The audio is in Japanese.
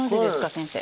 先生。